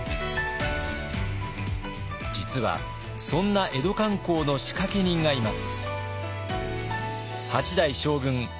実はそんな江戸観光の仕掛け人がいます。